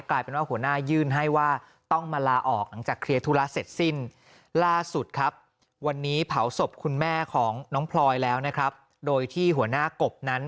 กลายเป็นข